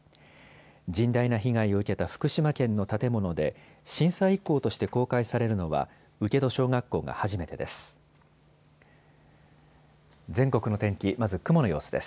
甚大な被害を受けた福島県の建物で震災遺構として公開されるのは請戸小学校が初めてです。